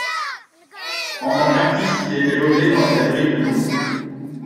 En tant qu'artiste il était logé dans la galerie du Louvre.